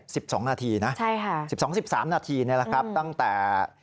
สิบสองนาทีนะใช่ค่ะสิบสองสิบสามนาทีเนี่ยแหละครับตั้งแต่